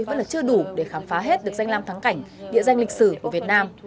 vẫn là chưa đủ để khám phá hết được danh làm thắng cảnh địa danh lịch sử của việt nam